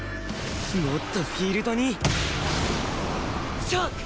もっとフィールドにショック！